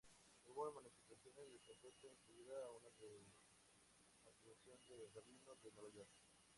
Hubo manifestaciones de protesta, incluida una de una asociación de rabinos de Nueva York.